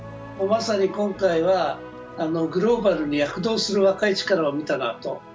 まさに今回は、グローバルに躍動する若い力を見たなと。